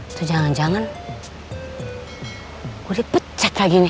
itu jangan jangan gue dipecat lagi nih